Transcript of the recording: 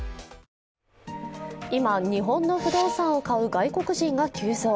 今、日本の不動産を買う外国人が急増。